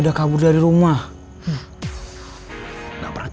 aduz kota saya juga udahhh